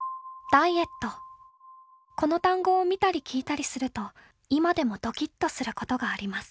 「この単語を見たり聞いたりすると今でもドキッとすることがあります。